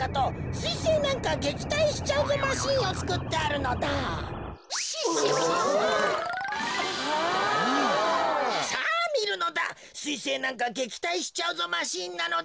すいせいなんかげきたいしちゃうぞマシンなのだ。